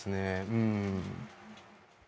うん。